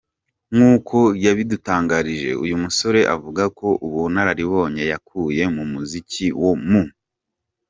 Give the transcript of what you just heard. Nkuko yabidutangarije uyu musore avuga ko ubunararibonye yakuye mu muziki wo mu.